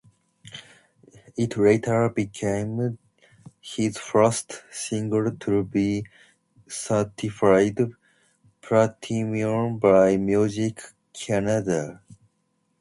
It later became his first single to be certified Platinum by Music Canada.